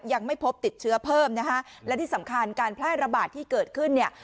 ยังไม่พบติดเชื้อเพิ่มนะคะและที่สำคัญการแพร่ระบาดที่เกิดขึ้นเนี่ย